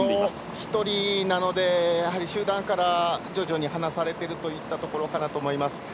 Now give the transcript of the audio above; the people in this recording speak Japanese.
１人なので集団から徐々に離されているといったところかなと思います。